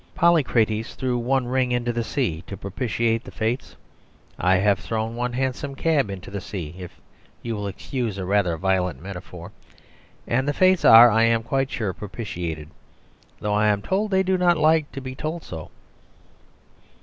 Polycrates threw one ring into the sea to propitiate the Fates. I have thrown one hansom cab into the sea (if you will excuse a rather violent metaphor) and the Fates are, I am quite sure, propitiated. Though I am told they do not like to be told so.